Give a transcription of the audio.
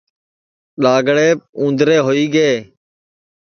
ڈؔاگݪیپ اُوندرے ہوئی گے